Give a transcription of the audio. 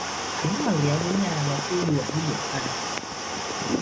Hắn mà léo đến nhà là tui đuổi như đuổi tà